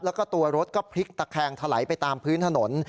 แล้วก็ตัวรถก็พลิกตะแคงถลายไปตามพื้นถนน